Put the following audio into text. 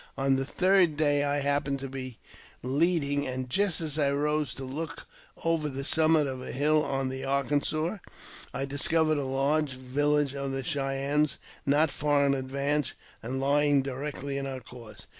On the third day I happened to be leading, and just as I rose to look over the summit of a hill on the Arkansas, I dis covered a large village of the Cheyennes not far in advance, and lying directly in our course.